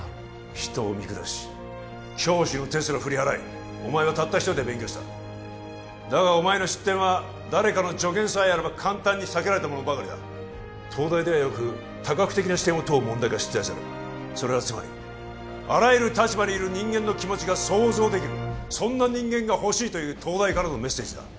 人を見下し教師の手すら振り払いお前はたった一人で勉強しただがお前の失点は誰かの助言さえあれば簡単に避けられたものばかりだ東大ではよく多角的な視点を問う問題が出題されるそれはつまりあらゆる立場にいる人間の気持ちが想像できるそんな人間がほしいという東大からのメッセージだ